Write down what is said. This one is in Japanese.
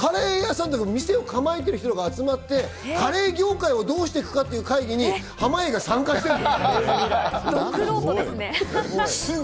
店を構えてる人が集まって、カレー業界をどうしていくかっていう会議に濱家が参加してるの。